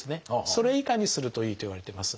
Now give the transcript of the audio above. それ以下にするといいといわれてます。